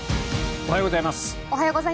おはようございます。